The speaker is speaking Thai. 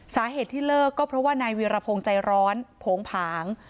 สาเหตุที่เลิกก็เพราะว่านายวีรพงศ์ใจร้อนโผงผาง